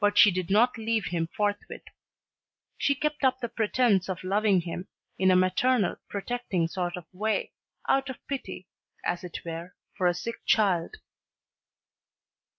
But she did not leave him forthwith. She kept up the pretence of loving him, in a maternal, protecting sort of way, out of pity, as it were, for a sick child.